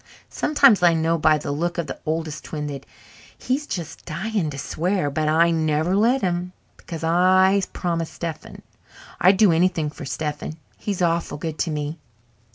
Sometimes I know by the look of the Oldest Twin that he's just dying to swear, but I never let him, because I promised Stephen. I'd do anything for Stephen. He's awful good to me.